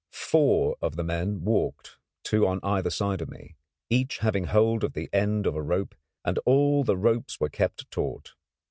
Four of the men walked, two on either side of me, each having hold of the end of a rope, and all the ropes were kept taut.